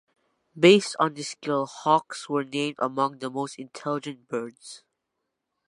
Based on this scale, Hawks were named among the most intelligent birds.